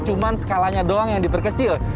cuma skalanya doang yang diperkecil